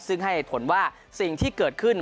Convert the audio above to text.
ซึ่งให้ผลว่าสิ่งที่เกิดขึ้น